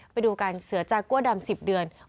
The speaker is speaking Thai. ไปดูกันเสือจากั่วดำ๑๐เดือน